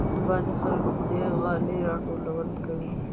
بعضې خلک د غالۍ راټولونه کوي.